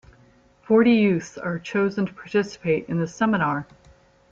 Forty youths are chosen to participate in this seminar.